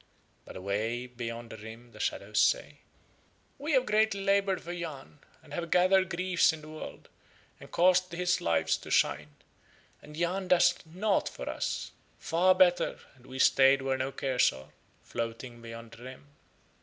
But away beyond the Rim the shadows say: "We have greatly laboured for Yahn, and have gathered griefs in the world, and caused his Lives to shine, and Yahn doeth nought for us. Far better had we stayed where no cares are, floating beyond the Rim."